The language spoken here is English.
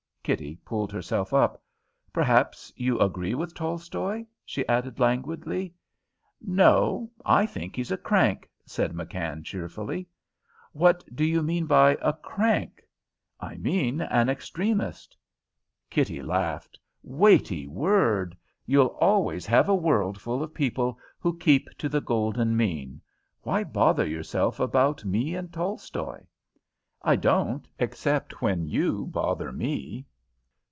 Kitty pulled herself up. "Perhaps you agree with Tolstoy?" she added languidly. "No; I think he's a crank," said McKann, cheerfully. "What do you mean by a crank?" "I mean an extremist." Kitty laughed. "Weighty word! You'll always have a world full of people who keep to the golden mean. Why bother yourself about me and Tolstoy?" "I don't, except when you bother me."